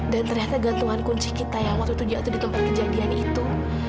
dan ternyata gantungan kunci kita yang waktu itu jatuh di tempat kejadian itu